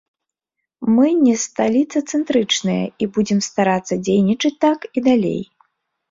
Мы не сталіцацэнтрычныя і будзем старацца дзейнічаць так і далей.